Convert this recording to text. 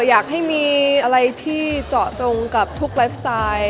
อยากให้มีอะไรที่เจาะตรงกับทุกไลฟ์สไตล์